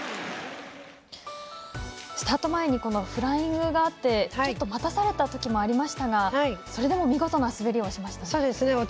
スタート前にフライングがあってちょっと待たされたときもありましたがそれでも見事な滑りをしましたね。